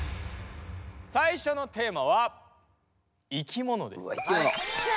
最初のテーマは「いきもの」です。